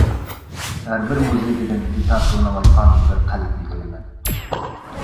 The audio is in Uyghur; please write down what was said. ھەر بىر مۇزىكىدىن ئىزھار قىلىنىۋاتقان بىر قەلبنى كۆرىمەن.